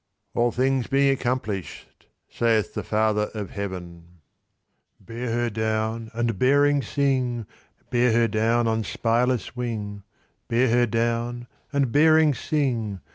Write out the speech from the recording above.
All things being accomplished, saith the Father of Heaven. Bear her down, and bearing, sing, Bear her down on spyless wing, Bear her down, and bearing, sing, With a sound of viola.